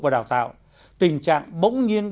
và đào tạo tình trạng bỗng nhiên